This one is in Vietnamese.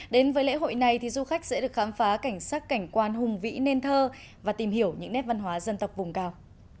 đến với lễ hội này thì du khách sẽ được khám phá cảnh sát cảnh quan hùng vĩ nền thơ và tìm hiểu những nét văn hóa dân tộc vùng cao